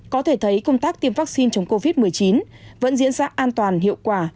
có thể thấy công tác tiêm vaccine chống covid một mươi chín vẫn diễn ra an toàn hiệu quả